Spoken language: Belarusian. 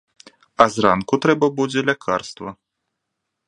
А зранку трэба будзе лякарства.